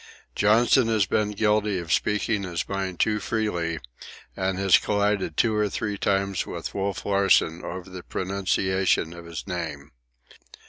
Johnson has been guilty of speaking his mind too freely, and has collided two or three times with Wolf Larsen over the pronunciation of his name.